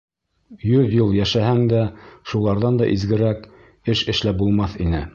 Йөҙ йыл йәшәһәң дә, шуларҙан да изгерәк эш эшләп булмаҫ ине.